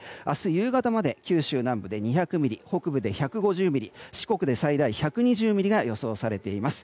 夕方まで九州南部で２００ミリ北部で１５０ミリ四国で最大１２０ミリが予想されています。